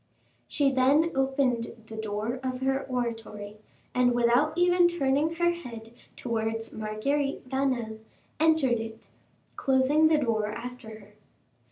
She then opened the door of her oratory, and without even turning her head towards Marguerite Vanel, entered it, closing the door after her.